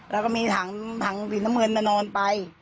แล้วก็มีถังสีน้ำเงินมานอนไป